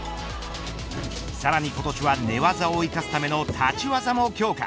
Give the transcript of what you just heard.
さらに今年は寝技を生かすための立ち技も強化。